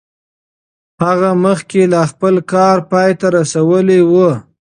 هغه مخکې لا خپل کار پای ته رسولی و.